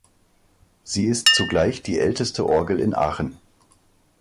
Sie ist zugleich die älteste Orgel in Aachen.